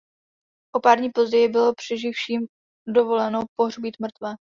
O pár dní později bylo přeživším dovoleno pohřbít mrtvé.